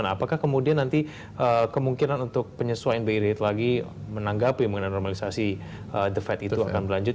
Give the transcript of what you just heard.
nah apakah kemudian nanti kemungkinan untuk penyesuaian bi rate lagi menanggapi mengenai normalisasi the fed itu akan berlanjut